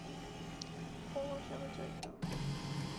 ও এসবে জড়িত?